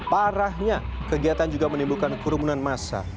parahnya kegiatan juga menimbulkan kerumunan massa